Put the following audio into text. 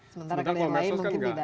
sementara kalau gak sosial kan enggak